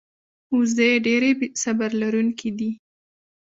وزې ډېرې صبر لرونکې دي